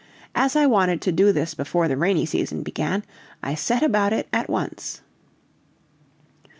As I wanted to do this before the rainy season began, I set about it at once.